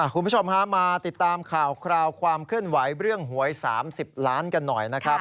คุณผู้ชมฮะมาติดตามข่าวคราวความเคลื่อนไหวเรื่องหวย๓๐ล้านกันหน่อยนะครับ